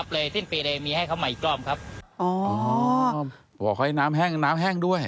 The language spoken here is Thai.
อ๋อบอกให้น้ำแห้งน้ำแห้งด้วย